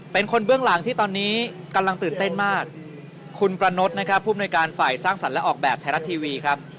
เบื้องหลังที่ตอนนี้กำลังตื่นเต้นมากคุณประนดนะครับผู้มนุยการฝ่ายสร้างสรรค์และออกแบบไทยรัฐทีวีครับ